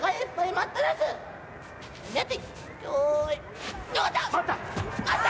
待った？